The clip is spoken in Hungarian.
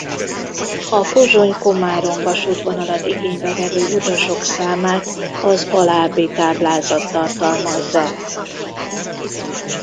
A Pozsony–Komárom-vasútvonalat igénybe vevő utasok számát az alábbi táblázat tartalmazza.